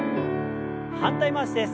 反対回しです。